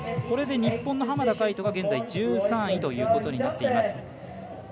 これで日本の浜田海人が現在１３位ということになっています。